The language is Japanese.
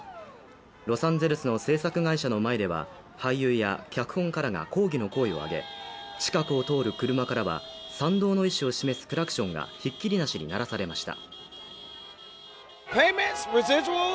ロサンゼルスの制作会社の前では、俳優や脚本家らが抗議の声を上げ、近くを通る車からは賛同の意思を示すクラクションがひっきりなしに鳴らされました。